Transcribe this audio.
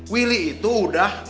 willy itu udah